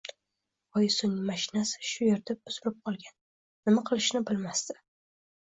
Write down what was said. Boisi, uning mashinasi shu erda buzilib qolgan, nima qilishini bilmasdi